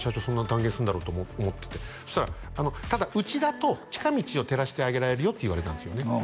そんな断言するんだろうと思っててそしたらただうちだと近道を照らしてあげられるよって言われたんですよね